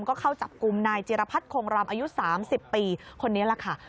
ก็เข้าจับกลุ่มนายจิรพัฒน์คงรำอายุ๓๐ปีคนนี้แหละค่ะ